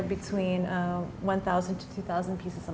bisnis per bulan